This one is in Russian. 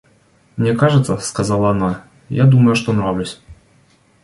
– Мне кажется, – сказала она, – я думаю, что нравлюсь.